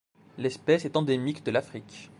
L'espèce est endémique de l'Afrique.